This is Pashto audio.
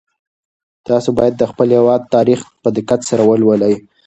تاسو باید د خپل هېواد تاریخ په دقت سره ولولئ.